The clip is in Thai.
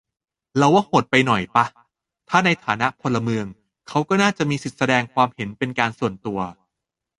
เราว่าโหดไปหน่อยป่ะ ถ้าในฐานะพลเมือง เขาก็น่าจะมีสิทธิแสดงความคิดเห็นเป็นการส่วนตัว